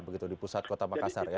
begitu di pusat kota makassar ya